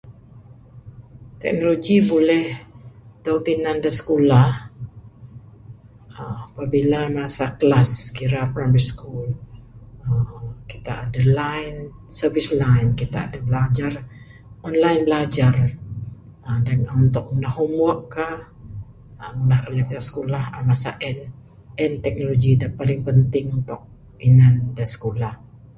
Teknologi buleh dog tinan da skulah aaa pabila masa klas Kira primary school aaa kita adeh line service line da adeh bilajar online bilajar aaa then untuk ngunah homework ka. aaa ngunah kerja skulah masa en. En teknologi da paling penting untuk inan da skulah.